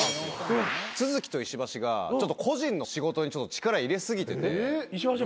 都築と石橋が個人の仕事に力入れ過ぎてて。